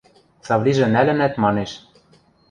Савлижӹ нӓлӹнӓт манеш.